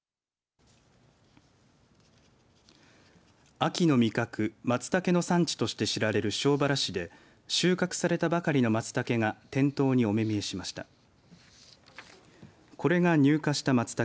秋の味覚、まつたけの産地として知られる庄原市で収穫されたばかりのまつたけが店頭にお目見えしました。